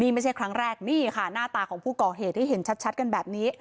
ไม่ใช่ครั้งแรกนี่ค่ะหน้าตาของผู้ก่อเหตุที่เห็นชัดกันแบบนี้